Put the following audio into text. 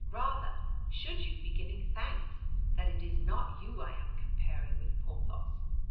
Rather should you be giving thanks that it is not you I am comparing with Porthos.